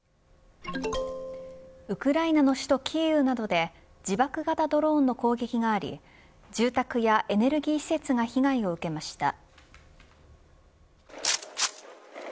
ウクライナの首都キーウなどで自爆型ドローンの攻撃があり住宅やエネルギー施設が被害を受けました。